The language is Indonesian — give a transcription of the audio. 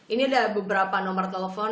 ini ada beberapa nomor telepon